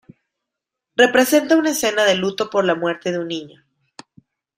Representa una escena de luto por la muerte de un niño.